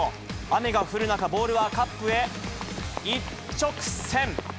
雨が降る中、ボールはカップへ一直線。